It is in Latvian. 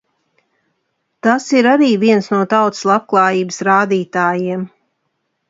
Tas ir arī viens no tautas labklājības rādītājiem.